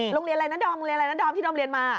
โอ้โหโรงเรียนอะไรนะดอมที่ดมเรียนมา